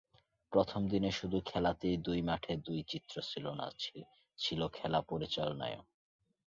প্রথম দিনে শুধু খেলাতেই দুই মাঠে দুই চিত্র ছিল না, ছিল খেলা পরিচালনায়ও।